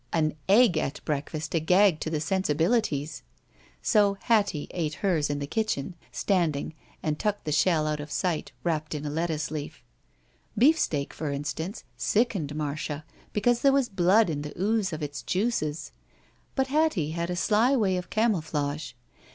An egg at breakfast a gag to the sensibilities! So Hattie a1;e hers in the kitchen, standing, and tucked the shell out of sight, wrapped in a bttuce leaf. Beefsteak, for instance, sickened Marda, because there was blood in the ooze of its juices. But Hattie had a sly way of camouflage.